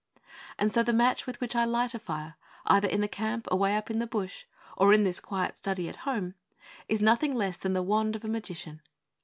And so the match with which I light a fire, either in the camp away up in the bush, or in this quiet study at home, is nothing less than the wand of a magician!